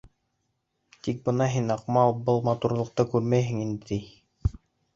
Тик бына һин, Аҡмал, был матурлыҡты күрмәйһең инде, ти.